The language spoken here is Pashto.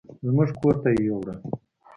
زموږ کور ته يې يوړل.